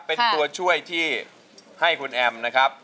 เป็นตัวช่วยที่ให้คุณแอมนะครับ